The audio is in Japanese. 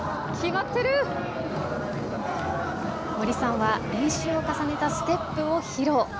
森さんは練習を重ねたステップを披露。